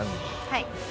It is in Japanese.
はい。